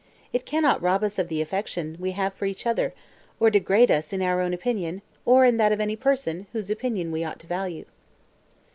It cannot rob us of the affection we have for each other, or degrade us in our own opinion, or in that of any person, whose opinion we ought to value."